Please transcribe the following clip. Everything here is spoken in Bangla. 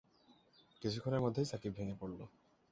কিছুক্ষণের মধ্যেই সাকিব ভেঙে পড়ল।